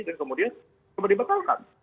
dan kemudian coba dibetalkan